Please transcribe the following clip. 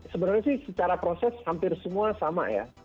sebenarnya sih secara proses hampir semua sama ya